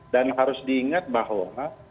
dan harus diingat bahwa